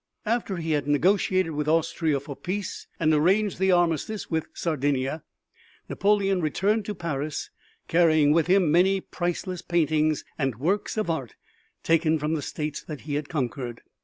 After he had negotiated with Austria for peace and arranged the armistice with Sardinia, Napoleon returned to Paris, carrying with him many priceless paintings and works of art taken from the states that he had conquered.